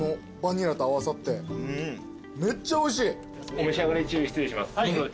お召し上がり中失礼します。